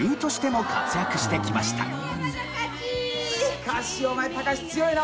しかしお前たかし強いな。